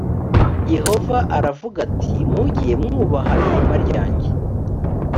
yehova aravuga ati mujye mwubaha ihema ryange